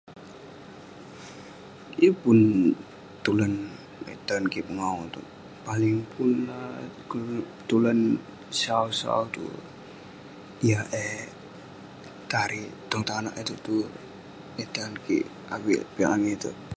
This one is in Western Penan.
Yeng pun tulan eh tan kik pengawu itouk. Paling pun lah tulan sau sau tue, yah eh tari'ik tong tanak itouk tue eh tan kik avik piak langit itouk.